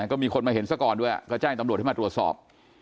ก็มีคนมาเห็นซะก่อนด้วยก็แจ้งตำรวจให้มาตรวจสอบ